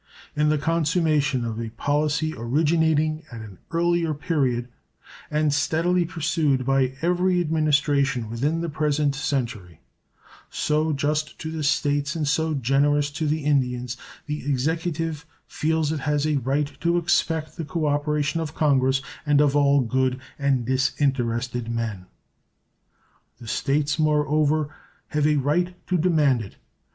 In the consummation of a policy originating at an early period, and steadily pursued by every Administration within the present century so just to the States and so generous to the Indians the Executive feels it has a right to expect the cooperation of Congress and of all good and disinterested men. The States, moreover, have a right to demand it.